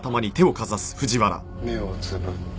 目をつぶって。